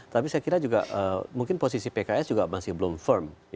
tapi saya kira juga mungkin posisi pks juga masih belum firm